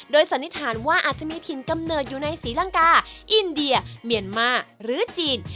สันนิษฐานว่าอาจจะมีถิ่นกำเนิดอยู่ในศรีลังกาอินเดียเมียนมาหรือจีน